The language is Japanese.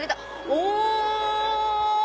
お！